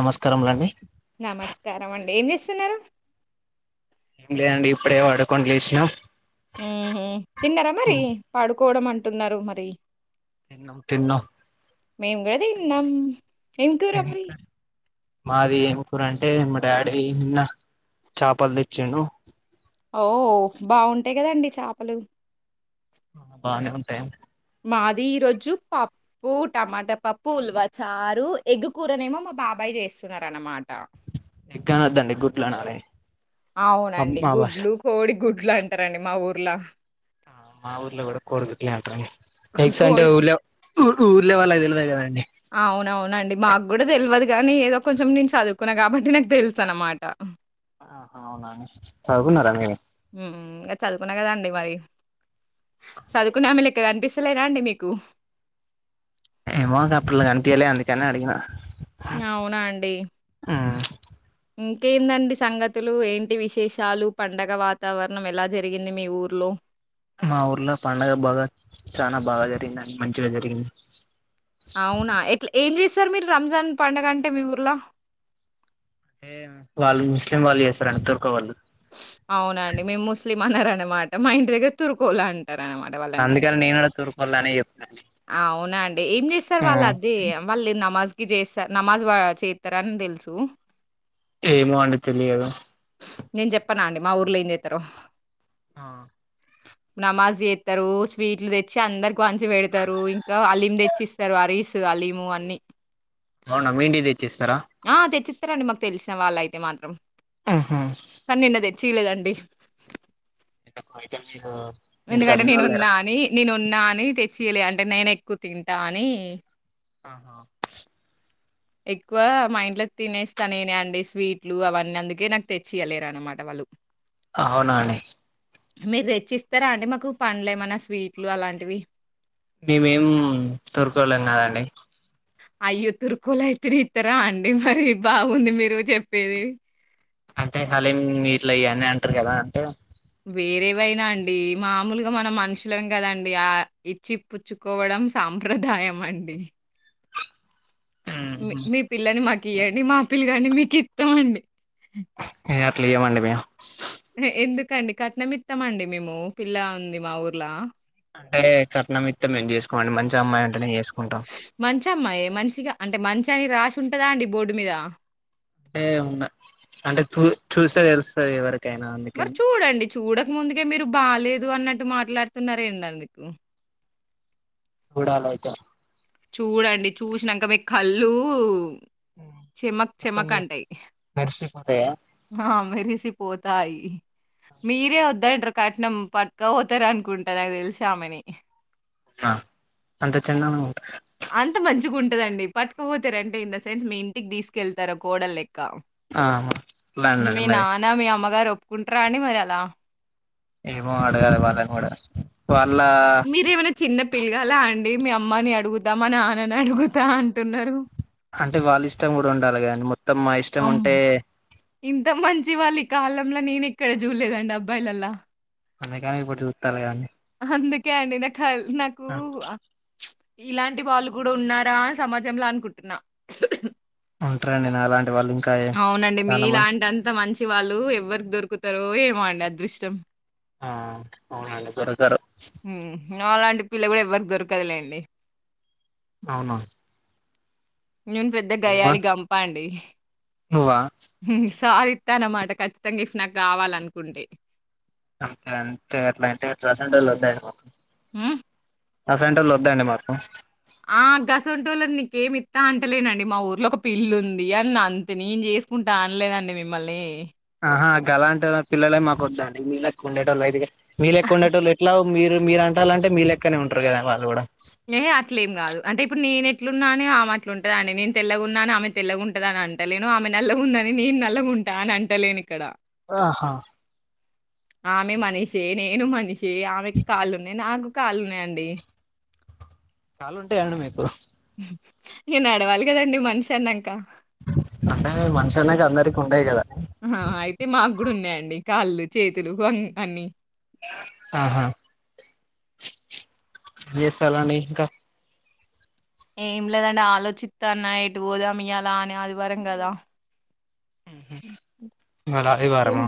నమస్కారం రండి నమస్కారం అండి ఏం చేస్తున్నారు ఏం లేదండి ఇప్పుడే పడుకొని లేసినా మ్మ్ హ్మ్ తిన్నారా మరి పడుకోవడం అం టున్నారు మరి తిన్నం తిన్నో మేము కూడదిన్నాం ఎంకరబ్రీ ఇంకా మాది ఏం కూరంటే మా డాడీ ఇన్న చాపల్ తెచ్చిండు ఓ బాగుంటాయ్ గదండి చాపలు ఆ బానే ఉంటాయం మాది ఈరోజు పప్పు, టమాటా పప్పు, ఉల్వచారు, ఎగ్గు కూూరనేమో మా బాబాయ్ చేస్సున్నరు అనమా ఎగ్గా అనొద్దండి గుడ్లు అనాలి అవునండి మా భాష గుడ్లు కోడి గుడ్లు అంటారండి మా ఊరు పిల్లా మా ఊర్లో కూడా కోరుకుట్లేంటని ఎక్స్ అంటే కోడి ఊర్లో ఊ ఊర్లే వాళ్ళకి తెల్వదా అవును అవున్ నండి మాగ్గూడా తెల్వదు కానీ ఏదో కొంచెం నేను చదువుకున్నా కాబట్టి నాకు తెలుసు అన్నమాట ఆ అవునా చదువుకున్నారా మీరు మ్మ్ హ్మ్ ఇంగా చదువుకున్నా కదండి మరి సదుకునే ఆమె లె ఇకనిపిస్తలేదా అండి మీకు ఏమో గా పిల్ల కనిపియ్యలె అందుకనే అడిగిన అవునా అండి ఇంకేందండి సంగతులు ఏంటి విశేషాలు పండగ వాతావరణం ఎలా జరిగింది. మీ ఊర్లో, మా ఊర్లో పండుగ బాగా చానా బాగా జరిగింది అండి మంచిగా జరిగింది అవునా ఎట్లా యేం జేస్ తార్ మీరు రంజాన్ పండుగ అంటే మీ ఊర్లో అంటే వాళ్ళు ముస్లిం వాళ్ళు చేస్తారండి తుర్క వాళ్ళు అవునండి మేము ముస్లి అననమాట మా ఇంటి దగ్గర తురుకోలన్ అంటారనమాట వాళ్ళని అందుకని నేను కూడా తూర్కొల్లనే చెప్తాను అవునా అండి ఏం జేస్తారు వాళ్ళు అది వాళ్ళు నమాజ్, కి జేస్స నమాజ్ వా చేత్తరాని తెలుసు ఏమో అండి తెలియదు నేన్ జెప్పనా అండి మా ఊర్లో ఏం జేత్తరో ఆ నమాజ్ జేత్తరు స్వీట్లు తెచ్చి అందరుకి వంచి వెడుతరు. ఇంకా హలీం తెచ్చిస్తారు అరీస్ హలీమ్ అన్నీ. అవునా మీ ఇంటికి తెచ్చిస్తారా స్తండి మాకు తెలిసిన వాళ్ళ అయితే మాత్రం ఆహా కానీ నిన్న తెచ్చియలేదండి [unintelligible] ఎందుకంటే ఇంటికాడున్నోళ్ళు లేరా నేనున్నా అని నేనున్నా [unintelligible] అని తెచ్చియలే అంటే నేను ఎక్కువ తింటా అని ఆహా ఎక్కువ మా ఇంట్లో తినేస్తనేనే అండి స్వీట్లు అవన్నీ అందుకే నాకు తెచ్చియలేరు అనమాట వాళ్ళు అవునా అండి మీరు తెచ్చిస్తారా అంటే మాకు పండ్లు ఏమన్నా స్వీట్లు అలాంటివి మేమేం తూర్కోల్లం కాదండి అయ్యో తుర్కులయితురు ఇతరా అండి మరి బాగుంది మీరు చెప్పేది అంటే హలీం గిట్ల చేయాలనే అంటారు కదా అంటే వేరేవైనా అండి మామూలుగా మన మనుషులం కదండి ఆ ఇచ్చి పచ్చుకోవడం సాంప్రదాయం అండి మీ పిల్లని మా ఇవండి మా పిలు కాని మీకు ఇస్తామండి ఏ అట్లుయేమండి మేమ్ కండి కట్నమిత్తామండి మేము పిల్లా ఉంది మా ఊర్లా అంటే కట్నమిత్తే మేం జేసు మంచి అమ్మాయి అంటేనే చేసుకుంటాం మంచమ్మాయే. మంచిగా అంటే మంచి అని రాసి ఉంటదా అండి బోర్డు మీద అంటే ఉన్నా అంటే చూ చూస్తే తెలుస్తది కదా ఎవరు మరి చూడండి చూడ ఇకు ముందుకే మీరు బాలేదు అన్నట్టు మాట్లాడుతున్నార ఏంటి అందుకు కుడాలైతే చూడండి చూసినాక మీ కళ్ళు చెమక్ మొత్తం చెమక్ మె అంటాయి మెరిసిపోతాయా ఆ మేరి పోతాయి మీరే వొద్దంటారు కట్నం పట్క పోతారు అనుకుంటా నాకు తెలిసామని ఆ అంత చెండాలంగ ఉంటద అంత మంచిగా ఉంటదండి పట్టుపోతారు అంటే ఇన్ ద సెన్స్ మీ ఇంటికి తీసుకెళ్తారో కోడ లెక్క ఆ లండన్ అండి మీ మరి నాన్న మీ అమ్మ ర ఒప్పుకుంటార అండి మరి అలా ఏమో అడగాల వాళ్ళని కూడా వాళ్ళ మీరేమైనా చిన్న పిల్గాల అండి ండి మీ అమ్మని అడుగుతా మా నాన్నని అడుగుతా అంటున్నారు అంటే వాళ్ళు ఇష్టం కూడా ఉండాలి కదండి మొ అ ఇంత మంచి వాళి కాలంలో నేను ఇక్కడ చూలేదండి అబ్బాయిలలా అందుకని ఇప్పుడు చూస్తాలే కదండి అందుకే అండి నాకల్ నాకు ఇలాంటి వాళ్ళు కూడా ఉన్నారా అని సమాజంలో అనుకుంటున్నా ఉంట్రండి నా లాన్ అవునండి మీలాంటి అంత మంచి టి వాళ్ళు ఎవ్వరికి దొరుకుతారో ఏమో అండి అదృష్టం ఆ అవునండి దొరకరు హ్మ్. నాలాంటి పిల్ల కూడా ఎవ్వరికి దొరకదులేండి అవున నేను పెద్ద గయ్యాళి గంప అండి వా చ ఇస్తానమాట ఖచ్చితంగా ఇఫ్ట్ నాకు కావాలనుకుంటే అంతే అంతే అట్లా అంటే ప్రసలు వద్దాయి మాకు హ ఆ సెంటర్లు వద్దండీ మాకు ఆ గస్ ఉంటూల ఇంకమిత్తా అంటలేనండి మా ఊర్లో ఒక పిల్లు ఉంది అని అంత న ఏం చేసుకుంటా అనలేదండి మిమ్మల్ని ఆహా గ అలాంట పిల్లలే మాకు వద్దండి మీకు ఉండేటోళు అదు మీ లేెకుండడాట వాళ్ ఎట్లా మీరు మీరు అంటాల అంటే మీ లక్కనే ఉంటారు కదా వాళ్ళు కూడా ఏ అట్లే ఏం కాదు అంటే ఇప్పుడు నేను ఎట్లున్నాని ఆమె అట్లు ఉంటద అండి నేను తెల్లగా ఉన్నా అని ఆమె తెల్లగా ఉంటద అని అంటలేను ఆమె నల్లగా ఉందని నేను నల్లగా ఉంటా అని అంటలేను ఇక్కడ ఆహా ఆమె మనీష ఏన ఏను మనీష ఆమెకి కాల ఉన్నా నా కాలున్నాయండి కాలు ఉంటే ఎరన బకు ఏన్ అడవల్ కదండి మనుషా అన్నంక అంటేనే మనిషి అనేక అందరికి ఉండేయి కదా ండి కాళ్ళు చేతులు అన్ని ఆహా ఏ సాలాని ఇకా ఏం లేదండి ఆలోచిస్త అన్నా ఇటు పోదాం ఇ అలా అనే ఆదివారం కదా బళ తిను. రవివారమా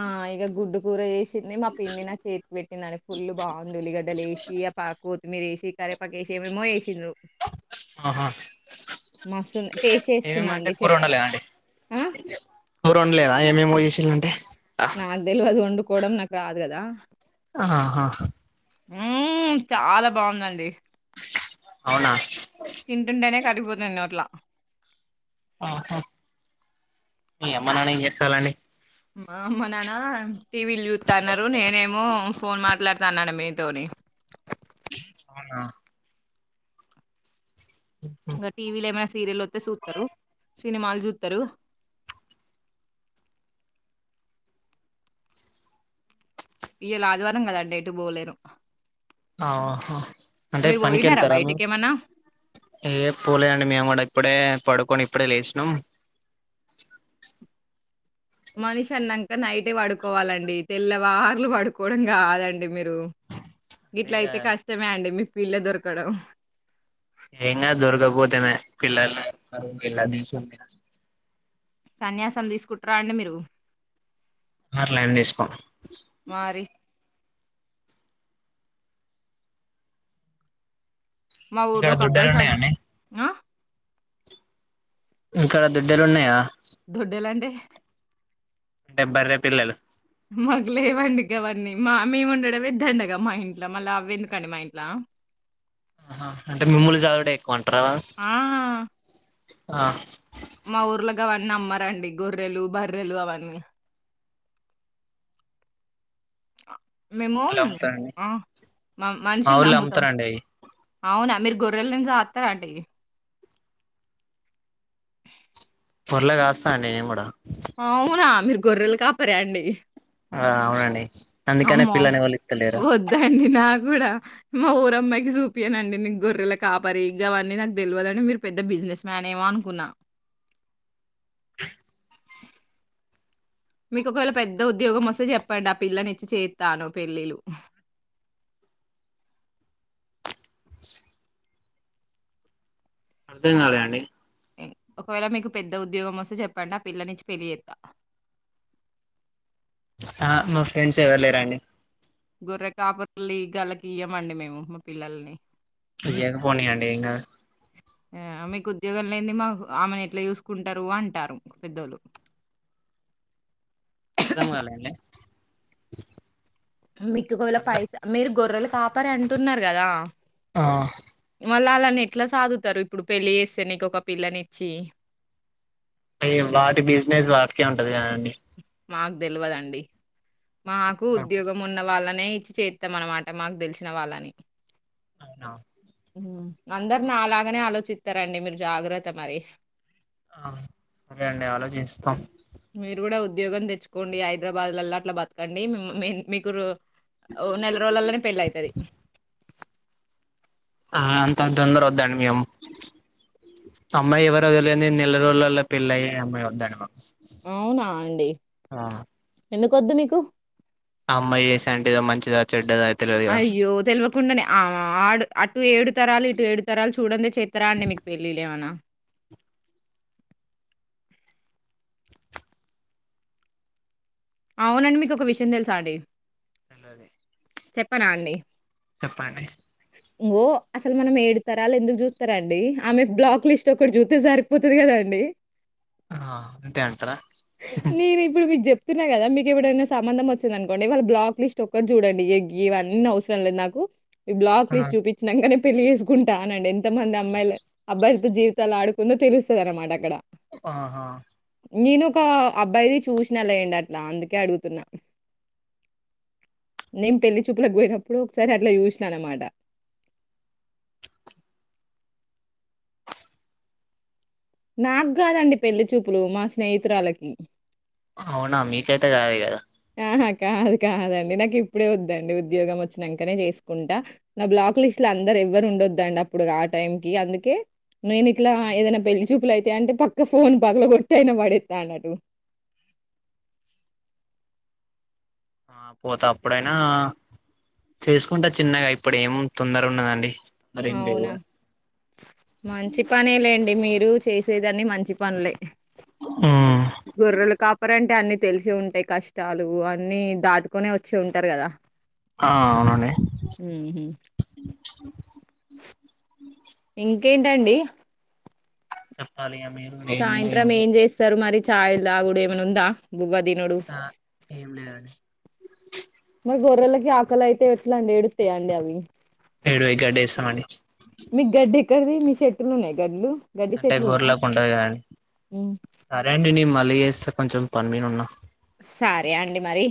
ఆ ఇగా గుడ్డు కూర ఏ ింది మా పిండి నా చేతి పెట్టిందిని ఫుల్ బాగుంది ఉల్లిగడ్డ లేసి ఆ పాకు మీరు ఏసీ కే పకేససి మ ఏసీ ఆహా మస్తు టేస్ట్ చేస్తున్నా ఏమేమింటే అండి చెప్ కూరండాల అండి ఆ కూర వండలేరా ఏమేమో చేసిల్అంటే నాకు తెల్వదు వండు కోవడం నాకు రాదు కదా అహా హా ఊమ్ చాలా బాగుందండి అవునా తింటుంటనేే కరిగిపోతుంది నోట్లా అహా మీ అమ్మ నాన్న ఏం చేస్తాలండి మా అమ్మ నాన్న టీవి ల్ చూసు తన్నారు నేనేమో ఫోన్ మాట్లాడుతాన్నన మీ తోని అవునా ఇ టీవీ లే మ సీరియల్లో సూతరు సినిమాలు చూస్తారు ఇయ్యలా ఆదివారం కదాండి ఎటు పోలేరు అహా అంటే మీరు పనికి పోయినారా వెళ్తారా బయటికి ఏమన్నా ఏ పోలేదండి మేము కూడా ఇప్పుడే పడుకొని ఇప్పుడే లేషినాం మనిషి అన్నాంక నైటే పడుకోవాలండి తెల్లవారులు పడుకోవడం కాదండి మీరు ఇట్ల ఇగ అయితే కష్టమే అండి మీ పిల్ల దొర్కడం ఎంగాదు దొర్గపోతే వాయే పిల్లల పిల్లను తీసు సన్యాసం తీసుకుంటార అండి మీరు అట్లా ఏం తీసుకోం మరి మాఊరిలో ఇక్కడ ఒక అబ్బాయి దుడ్డలు సన్ ఉన్నాయండి ఆ ఇక్కడ దొడ్డలు ఉన్నాయా దొడ్డేలంటే అంటే బర్రే పిల్లలు మాకు లేవండి గవన్నీ మా మేము ఉండడమే దండగా మా ఇంట్ల మళ్ల అవి ఎందుకండి మా ఇంట్ల అహా అంటే మిమ్ముల్లు చదువుడే ఏక్కువంట్రా ఆ! ఆ మా ఊర్ల గవన్నీ అమ్మారండి గొర్రెలు బర్రెలు అవన్నీ మేము ఊర్లో అమ్ముతారండి ఆ మా మనుషులు ఊర్లో నమ్ముతాం అమ్ముతారండి అయి అవునా మీరు గొర్రెలను సాక్తారా అండి పోర్లే కాస్తా నేను కూడా అవునా మీరు గొర్రలు కాపరాండి ఆ అవునండి అందుకనే పిల్లని ఎవళ్ళూ యిత్తలేరు కూడా మా ఊర అమ్మాయికి చూపియానండి నీ గొర్రెల కాపరి ఇగవన్నీ నాకు తెల్వదండి మీరు పెద్ద బిజినెస్ మ్యాన్ ఏమో అనుకున్నా మీకు ఒకవేళ పెద్ద ఉద్యోగం వస్తే చెప్పండి ఆ పిల్లని ఇచ్చి చేత్తను పెళ్ళిళ్ళు అర్ధం కాలే అండి ఒకవేళ మీకు పెద్ద ఉద్యోగం వస్తే చెప్పండి ఆ పిల్లనిచ్చి పెళ్ళి చెత్త ఆ మా ఫ్రెండ్స్ ఎవరు లేరండి గొర్రె కాపర్ల లే గాళ్ళకి ఇయ్యమండి మేము మా పిల్లలని ఇ ఎద పోనీయా అడి ఎకా ఆ మీకు ఉద్యోగం లేని మా ఆమెను ఎట్లా చూసుకుంటారు అంటారు పెద్దోళ్ళ అర్ధముగాలే అండి మికువల పైస మీరు గొర్రెలు కాపరి అంటున్నారు కదా ఆ మళ్ళ దాన్ని ఎట్లా సాదుతారు ఇప్పుడు పెళ్లి చేస్తే నీకొక పిల్లనిచ్చి అ వాటి బిజినెస్ వాటికే ఉంటది కదండి మాకు తెల్వదండి మాకు ఉద్యోగం ఉన్న వాళ్ళని నే ఇచ్చి చేస్తాం అనమాట మాకు తెలిసిన వాళ్ళని అవునా మ్మ్ అందరూ నా లాగానే ఆలోచిత్తరండి మీరు జాగ్రత్త మరి ఆ సరే అండి ఆలోచిస్తాం మీరు కూడా ఉద్యోగం తెచ్చుకోండి హైదరాబాద్ ల అట్లా బతకండి ము మీ మీ మీకు ఓ నెల రోళ్ళలనే పెళ్ అయితరి ఆ అంత తొందర వద్దాండి మేము అమ్మాయి ఎవరో తెలియంది నెల రోజులలో పెళ్ళయ్యి అమ్మాయి వద్దాండి మాక్ అవునా అండి ఎందుకు వద్దు మీకు అమ్మాయి యేసంటిదో మంచిదో చే చెడ్డద తెల్వదు గద కుండనే ఆ అటు ఏడు తరాలు ఇటు ఏడు తరాలు చూడండి చెత్తర అండి మీకు పెళ్ళిళ్ళు ఏమన్న అవునండి మీకు ఒక విషయం తెలుసా అండి అలాదే చెప్పనా అండి చెప్పండి గో అసలు మనం ఏడుతార అ ఎందుకు చూస్తారా అండి ఆమె బ్లాక్ లిస్ట్ ఒకటి చూత్తే సరిపోతుంది కదా అండి ఆ అంతే అంటారా [unintelligible] న్నాయి కదా మీకు ఎవడైనా సంబంధం వచ్చిందనుకోండి వాళ బ్లాక్ లిస్ట్ లుక్టి చూడండి ఇవన్నీ అవసరం లేదు నాకు ఈ బ్లాక్ లిస్ట్ చూపించి వెంటనే పెళ్లి తీసుకుంటానండి ఎంత మంది అమ్మాయిలు అబ్బాయిలతో జీవితాలు ఆడుకుందో తెలుస్తుంది అనమాట అక్కడ ఆహా నేను ఒక అబ్బాయిది చూసినా లే ఏండి అట్లా అందుకే అడుగుతున్నా నేను పెళ్లి చూపులకుకి పోయినప్పుడు ఒకసారి అట్లా చూసినాను అన్నమాట నాకు కాదండి పెళ్లిి చూపులు మా స్నేహితురాలకి అవునా మీకైతే కాాల కదా ఆహా కాదు కాదండి నాకు ఇప్పుడే వద్దండి ఉద్యోగం వచ్చినాకనే చేసుకుంటా నా బ్లాక్ లిస్ట్ లో అందరు ఎవ్వరు ఉండద్దండి అప్పుడు ఆ టైం క అందుకే నేను ఇట్లా ఏదైనా పెల్లి చూపులు అయి అంటే పక్క ఫోన్ పగల కొొట్ట అయిన పడేస్తా అన్నటు ఆ పోతే అప్పుడైనా చేసుకుంటా చిన్నగా ఇప్పుడు ఏం తొందర ఉన్నదండి మరేం లేదు అవునా మంచి పనే లేండి అండి మీరు చేసేదాన్ని మంచి పనులే ఉమ్ గొర్రలు కాపరంటే అన్ని తెలిసి ఉంటాయి కష్టాలు అన్ని దాటుకొనే వచ్చి ఉంటారు కదా ఆ అవునండి ఇం ఇకేంటండి చప్పాలిగా సాయంత్రం ఏం చేస్తారు మరి చాయిలు దాగుడు ఏమన్న ఆఉందా ఫుల్ గా తినుడు ఆ ఏం లేదండి మరి గొర్రెలకి ఆకలి అయితే ఎట్లాండి ఎడుతాయంండి అవి ఏడు ఇ గ డేేశవాణి కది మీ చెట్టు ఉన్నాయి గడ్లు గడ్డి అంటే చెట్లు ఉన్నాయా గోర్రిలాకు ఉంటంది కదండి సరే అండి నీ మళ్ళీ లీ చేస్త కొంచెం పని మీద ఉన్న సరే అండి మరి